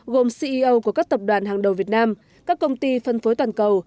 gồm ceo của các tập đoàn hàng đầu việt nam các công ty phân phối toàn cầu